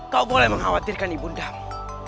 kau boleh mengkhawatirkan ibu ndamu